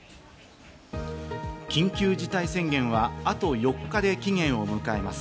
緊急事態宣言はあと４日で期限を迎えます。